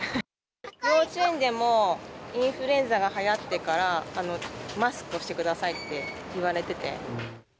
幼稚園でもインフルエンザがはやってから、マスクをしてくださいって言われてて。